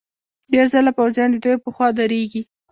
ډېر ځله پوځیان ددوی په خوا درېږي.